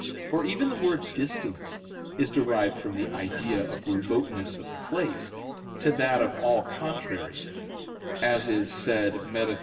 For even the word distance is derived from the idea of remoteness of place, to that of all contraries, as is said _Metaph.